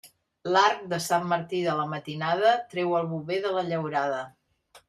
L'arc de Sant Martí de la matinada treu el bover de la llaurada.